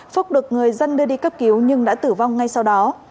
phúc được người dân đưa đi cấp cứu nhưng đã tử vong ngay sau đó